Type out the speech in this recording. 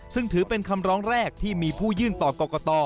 ซึ่งถือเป็นคำร้องแรกที่มีผู้ยื่นต่อกรกต